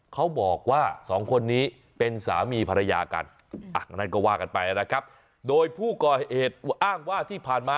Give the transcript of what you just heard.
เขาบอกว่า๒คนนี้เป็นสามีภรรยากัน